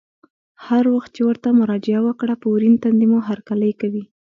هر وخت چې ورته مراجعه وکړه په ورین تندي مو هرکلی کوي.